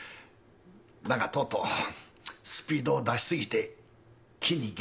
だがとうとうスピードを出しすぎて木に激突しましてね